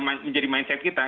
menjadi mindset kita